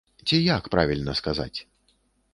Ці як правільна сказаць?